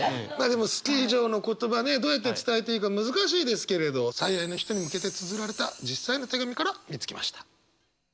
「好き」以上の言葉ねどうやって伝えていいか難しいですけれど最愛の人に向けてつづられた実際の手紙から見つけました。